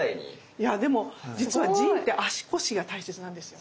いやでも実は腎って足腰が大切なんですよ。